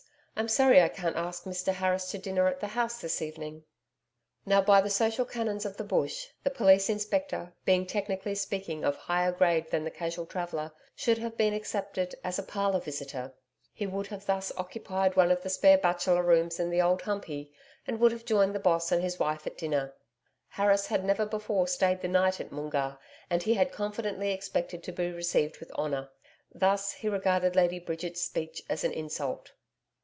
I'm sorry I can't ask Mr Harris to dinner at the house this evening.' Now, by the social canons of the Bush, the police inspector, being technically speaking of higher grade than the casual traveller, should have been accepted as a 'parlour visitor.' He would thus have occupied one of the bachelor spare rooms in the Old Humpey and would have joined the Boss and his wife at dinner. Harris had never before stayed the night at Moongarr, and he had confidently expected to be received with honour. Thus he regarded Lady Bridget's speech as an insult.